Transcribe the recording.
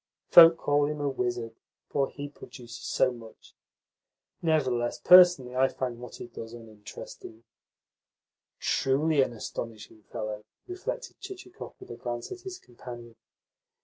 Folk call him a wizard, for he produces so much. Nevertheless, personally I find what he does uninteresting." "Truly an astonishing fellow!" reflected Chichikov with a glance at his companion.